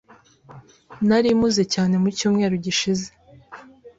Nari mpuze cyane mu cyumweru gishize.